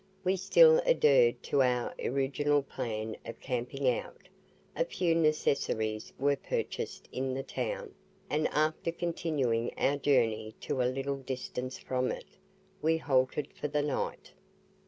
We still adhered to our original plan of camping out; a few necessaries were purchased in the town, and after continuing our journey to a little distance from it, we halted for the night.